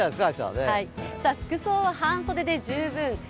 服装は半袖で十分。